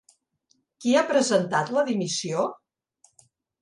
Qui ha presentat la dimissió?